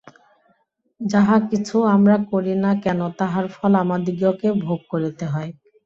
যাহা কিছু আমরা করি না কেন, তাহার ফল আমাদিগকে ভোগ করিতে হয়।